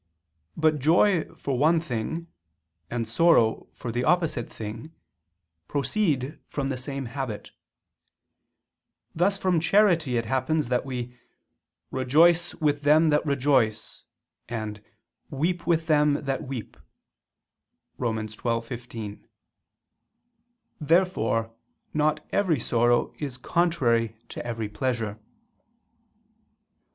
But joy for one thing, and sorrow for the opposite thing, proceed from the same habit: thus from charity it happens that we "rejoice with them that rejoice," and "weep with them that weep" (Rom. 12:15). Therefore not every sorrow is contrary to every pleasure.